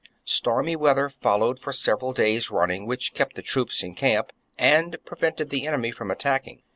Stormy weather followed for several days running, which kept the troops in camp and prevented the enemy from attacking.